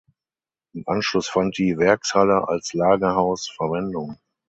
Im Anschluss fand die Werkshalle als Lagerhaus Verwendung.